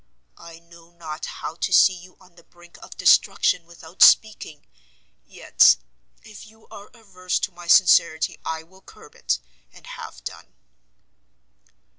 I know not how to see you on the brink of destruction without speaking, yet, if you are averse to my sincerity, I will curb it, and have done."